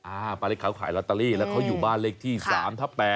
ป้าเล็กเขาขายลอตเตอรี่แล้วเขาอยู่บ้านเลขที่๓ทับ๘